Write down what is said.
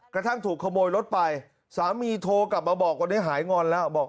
กระทั่งถูกขโมยรถไปสามีโทรกลับมาบอกวันนี้หายงอนแล้วบอก